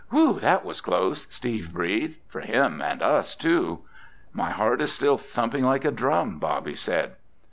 "Whew! That was close!" Steve breathed. "For him and us, too!" "My heart is still thumping like a drum!" Bobby said.